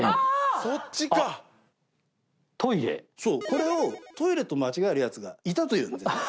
これをトイレと間違えるやつがいたという。